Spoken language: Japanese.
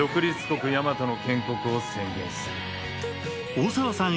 大沢さん